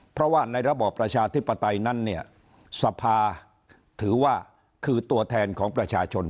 เพราะว่าในระบอบประชาธิปไตยนั้นเนี่ยสภาถือว่าคือตัวแทนของประชาชน